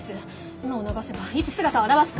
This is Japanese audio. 今を逃せばいつ姿を現すか。